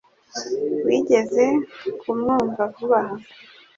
Wigeze kumwumva vuba aha?